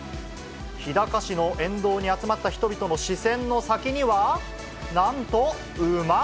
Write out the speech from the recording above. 日高市の沿道に集まった人々の視線の先には、なんと、馬。